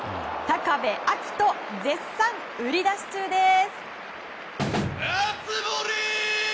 高部瑛斗、絶賛売り出し中です！